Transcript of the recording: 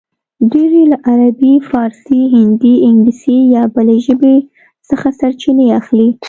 ډېر یې له عربي، فارسي، هندي، انګلیسي یا بلې ژبې څخه سرچینې اخلي